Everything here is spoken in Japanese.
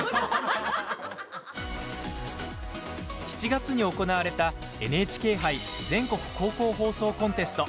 ７月に行われたＮＨＫ杯全国高校放送コンテスト。